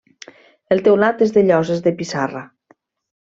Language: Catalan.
El teulat és de lloses de pissarra.